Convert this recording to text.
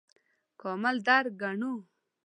کامل درک ګڼو.